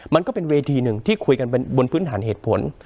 มันก็เป็นเวทีหนึ่งที่คุยกันบนพื้นฐานเหตุผล